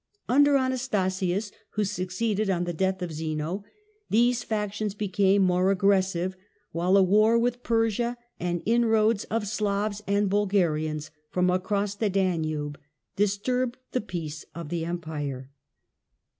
Under Anastasius, who succeeded on the death of Zeno, these factions became more aggressive, while a war with Persia, and inroads of Slavs and Bulgarians from across the Danube, disturbed the peace of the Empire.